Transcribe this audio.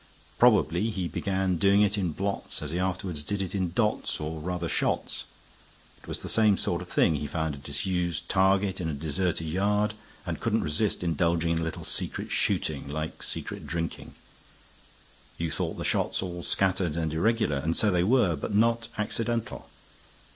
Probably he began doing it in blots as he afterward did it in dots, or rather shots. It was the same sort of thing; he found a disused target in a deserted yard and couldn't resist indulging in a little secret shooting, like secret drinking. You thought the shots all scattered and irregular, and so they were; but not accidental.